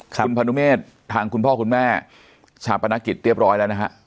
คุณพนุเมษทางคุณพ่อคุณแม่ชาปนกิจเรียบร้อยแล้วนะฮะ